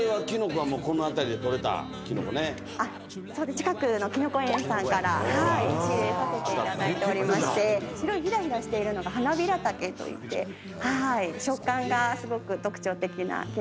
近くのきのこ園さんから仕入れさせていただいておりまして白いひらひらしているのがハナビラタケといって食感がすごく特徴的なきのこでございます。